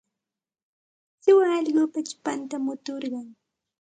Suwa allqupa chupantam muturqun.